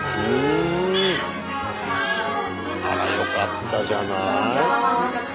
あらよかったじゃない。